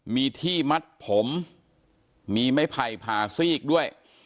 มีที่มัดผมมีไม่ไผ่ภาษีอีกด้วย